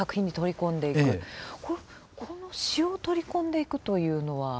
この詩を取り込んでいくというのは。